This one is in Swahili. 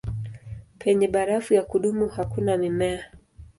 Penye barafu ya kudumu hakuna mimea.